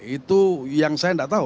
itu yang saya tidak tahu